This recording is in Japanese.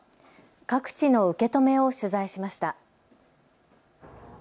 各地の受け止めを取材しました。